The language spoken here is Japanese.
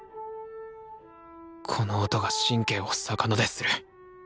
この音が神経を逆なでする。